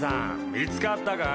見つかったかい？